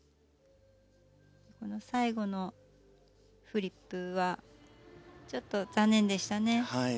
最後のフリップはちょっと残念でしたね。